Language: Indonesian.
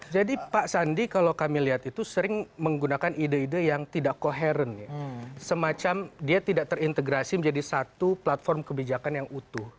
jadi pak sandi kalau kami lihat itu sering menggunakan ide ide yang tidak koheren ya semacam dia tidak terintegrasi menjadi satu platform kebijakan yang utuh